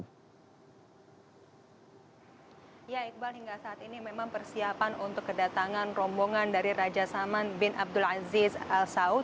ya iqbal hingga saat ini memang persiapan untuk kedatangan rombongan dari raja salman bin abdul aziz al saud